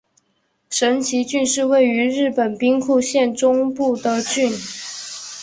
神崎郡是位于日本兵库县中部的郡。